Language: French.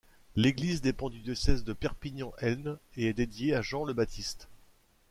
L'église dépend du diocèse de Perpignan-Elne et est dédiée à Jean le Baptiste.